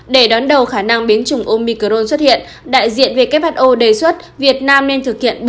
để đón đầu khả năng biến chủng omicron xuất hiện đại diện who đề xuất việt nam nên thực hiện